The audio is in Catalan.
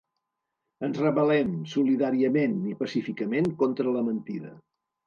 Ens rebel·lem solidàriament i pacíficament contra la mentida.